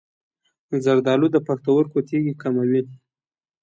زردآلو د پښتورګو تیږې کموي.